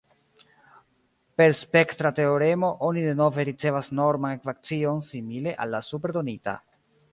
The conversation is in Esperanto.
Per spektra teoremo oni denove ricevas norman ekvacion simile al la supre donita.